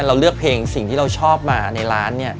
เราเลือกเพลงสิ่งที่เราชอบมาในร้านเนี่ย